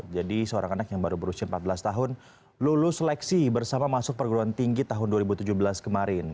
jadi seorang anak yang baru berusia empat belas tahun lulus seleksi bersama masuk perguruan tinggi tahun dua ribu tujuh belas kemarin